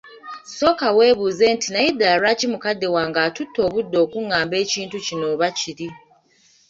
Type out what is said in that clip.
Sooka webuuze nti naye ddala lwaki mukadde wange atutte obudde okungamba ekintu kino oba kiri?